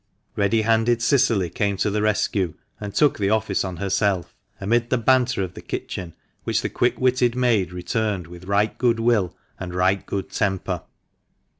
Ready handed Cicily came to the rescue, and took the office on herself, amid the banter of the THE MANCHESTER MAN. 211 kitchen, which the quick witted maid returned with right good will and right good temper.